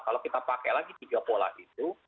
kalau kita pakai lagi tiga pola itu